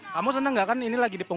kamu senang gak kan ini lagi di pulang